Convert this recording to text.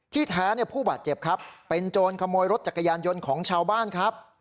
แท้ผู้บาดเจ็บครับเป็นโจรขโมยรถจักรยานยนต์ของชาวบ้านครับ